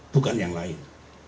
bukan yang lain